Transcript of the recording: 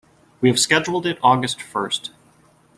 We have it scheduled for August first.